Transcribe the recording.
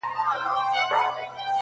یوه شپه غېږه د جانان او زما ټوله ځواني,